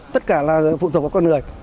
tất cả là phụ thuộc vào con người